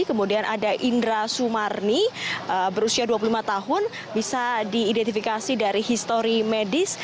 kemudian ada indra sumarni berusia dua puluh lima tahun bisa diidentifikasi dari histori medis